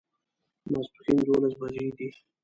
ماسپښین دوولس بجې دي